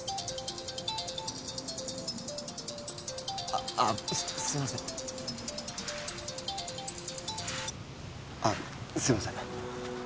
あっああすいませんあっすいません